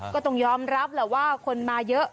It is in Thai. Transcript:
ก็ต้องยอมรับแหละว่าคนมาเยอะ